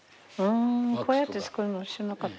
こうやって作るの知らなかった。